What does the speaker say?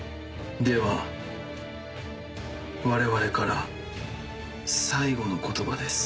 では我々から最後の言葉です。